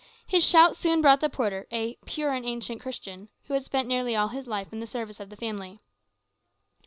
His shout soon brought the porter, a "pure and ancient Christian," who had spent nearly all his life in the service of the family.